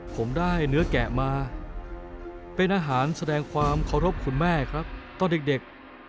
ผมได้เนื้อแกะมาเป็นอาหารแสดงความเคารพคุณแม่ครับตอนเด็ก